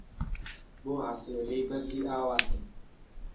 بۆ هەسێرەی بەرزی ئاواتم